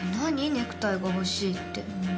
「ネクタイが欲しい」って。